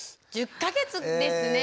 １０か月ですね。